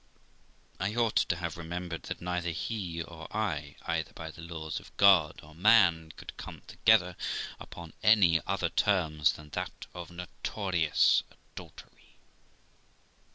I ought to have remembered that neither he or I, either by the laws of God or man, could come together upon any other terms than that of notorious adultery.